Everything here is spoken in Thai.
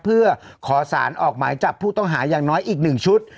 เพื่อขอสารออกหมายจับผู้ต้องหาอย่างน้อยอีก๑ชุด